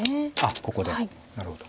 ここでなるほど。